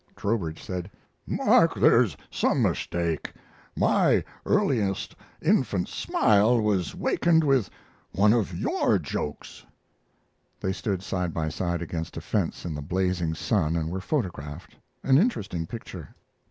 Trowbridge said: "Mark, there's some mistake. My earliest infant smile was wakened with one of your jokes." They stood side by side against a fence in the blazing sun and were photographed an interesting picture.